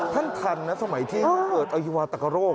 ทันนะสมัยที่เกิดอฮิวาตกโรค